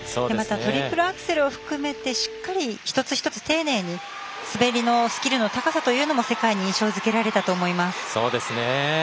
トリプルアクセルを含めて一つ一つ丁寧に滑りのスキルの高さというのも世界に印象づけられたと思います。